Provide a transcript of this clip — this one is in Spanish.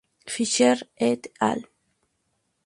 Fischer "et al.